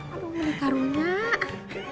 aduh menikah runyak